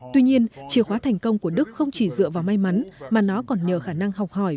tuy nhiên chìa khóa thành công của đức không chỉ dựa vào may mắn mà nó còn nhờ khả năng học hỏi